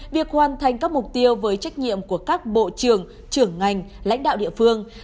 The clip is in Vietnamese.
việc hoàn thành các mục tiêu với trách nhiệm của các bộ trưởng trưởng ngành lãnh đạo địa phương